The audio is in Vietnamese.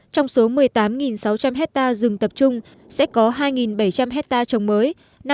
trong số một mươi tám sáu trăm linh hectare rừng tập trung sẽ có hai bảy trăm linh hectare trồng mới